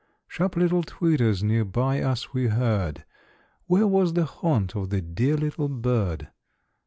Sharp little twitters near by us we heard; Where was the haunt of the dear little bird?